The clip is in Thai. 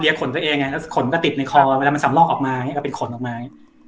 เรียกขนตัวเองแล้วขนก็ติดในคอเวลามันสำรอกออกมาก็เป็นขนออกมา